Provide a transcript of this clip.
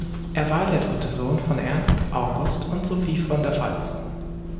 Er war der dritte Sohn von Ernst August und Sophie von der Pfalz.